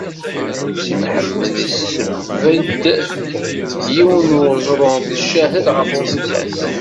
Si Mḥemmed isbedd yiwen n uẓru d ccahed ɣef uẓekka-s.